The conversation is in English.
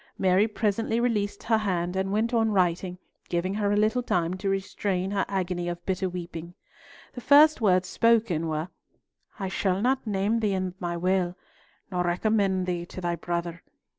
Mary presently released her hand and went on writing, giving her a little time to restrain her agony of bitter weeping. The first words spoken were, "I shall not name thee in my will, nor recommend thee to thy brother.